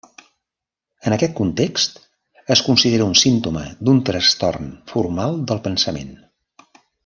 En aquest context, es considera un símptoma d'un trastorn formal del pensament.